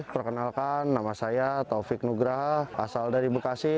perkenalkan nama saya taufik nugra asal dari bekasi